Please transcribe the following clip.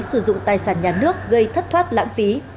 sử dụng tài sản nhà nước gây thất thoát lãng phí